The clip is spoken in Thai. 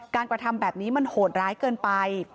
กระทำแบบนี้มันโหดร้ายเกินไป